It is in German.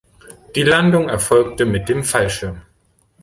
Die Landung erfolgte mit dem Fallschirm.